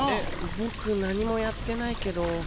ボク何もやってないけど。